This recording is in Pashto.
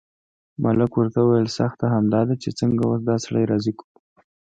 ملک ورته وویل سخته همدا ده چې څنګه اوس دا سړی راضي کړو.